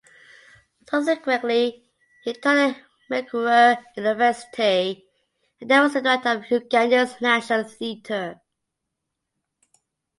Subsequently he taught at Makerere University and then was Director of Uganda's National Theatre.